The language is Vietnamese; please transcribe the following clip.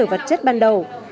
cơ sở vật chất ban đầu